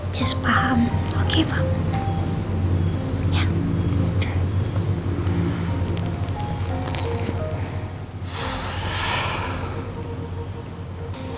just paham oke pak